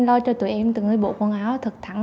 lo cho tụi em từng cái bộ quần áo thật